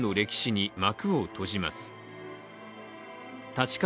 立川